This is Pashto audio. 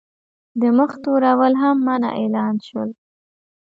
د مخ تورول هم منع اعلان شول.